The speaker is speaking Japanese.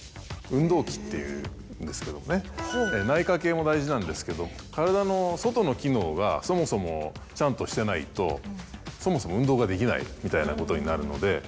内科系も大事なんですけど体の外の機能がそもそもちゃんとしてないとそもそも運動ができないみたいなことになるので。